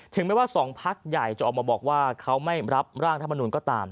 ไม่ว่าสองพักใหญ่จะออกมาบอกว่าเขาไม่รับร่างธรรมนุนก็ตาม